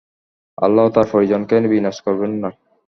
আল্লাহ তার পরিজনকে বিনাশ করবেন না।